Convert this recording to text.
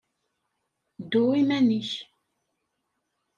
Ddu iman-ik.